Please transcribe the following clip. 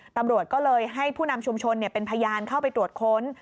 ตำรวจก็เลยให้ผู้นำชุมชนเป็นพยานเข้าไปตรวจค้น